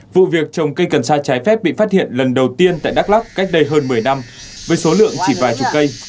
vụ việc trồng cây cần sa trái phép bị phát hiện lần đầu tiên tại đắk lắc cách đây hơn một mươi năm với số lượng chỉ vài chục cây